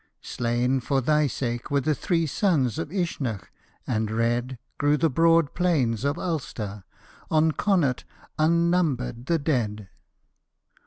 Slain for thy sake were the three sons of Uisneach, and red Grew tlie broad plains of Ulster, on Connaught unnumbered the dead.